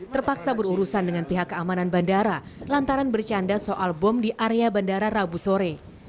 terpaksa berurusan dengan pihak keamanan bandara lantaran bercanda soal bom di area bandara rabu sore